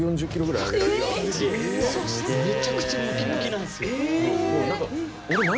むちゃくちゃムキムキなんすよ。